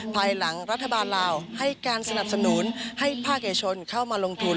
ภายหลังรัฐบาลลาวให้การสนับสนุนให้ภาคเอกชนเข้ามาลงทุน